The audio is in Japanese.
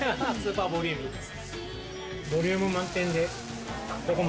スーパーボリューミーです。